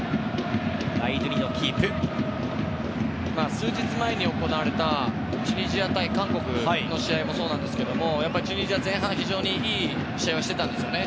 数日前に行われたチュニジア対韓国の試合もそうなんですがチュニジアは前半、非常にいい試合をしてたんですよね。